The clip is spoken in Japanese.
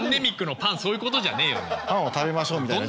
「パンを食べましょう」みたいな。